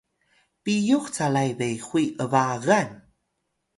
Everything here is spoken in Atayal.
piyux calay behuy ’bagan